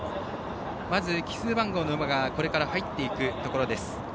まず、奇数番号の馬がこれから入っていくところです。